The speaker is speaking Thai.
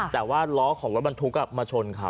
แต่ว่าล้อของรถบรรทุกมาชนเขา